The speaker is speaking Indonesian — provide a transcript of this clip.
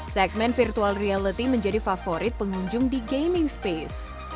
segmen virtual reality menjadi favorit pengunjung di gaming space